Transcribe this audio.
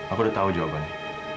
aku udah tau jawabannya